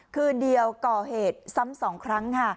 คืนเดียวก่อเหตุซ้ำ๒ครั้งค่ะ